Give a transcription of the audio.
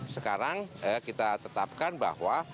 sekarang kita tetapkan bahwa